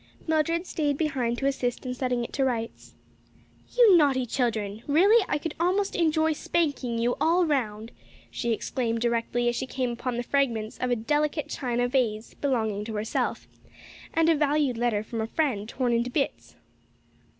Mildred staid behind to assist in setting it to rights. "You naughty children! really I could almost enjoy spanking you all round," she exclaimed directly, as she came upon the fragments of a delicate china vase belonging to herself, and a valued letter from a friend torn into bits.